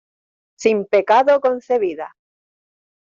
¡ sin pecado concebida!